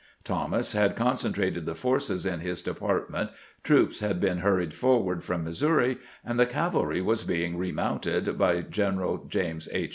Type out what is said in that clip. Thomas had concen trated the forces in his department, troops had been hur ried forward from Missouri, and the cavalry was being re mounted by General James H.